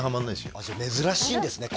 珍しいんですね